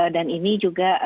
dan ini juga